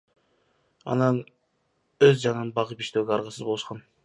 Анан өз жанын багып иштөөгө аргасыз болушкан.